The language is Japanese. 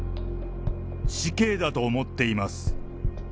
死刑だと思っています。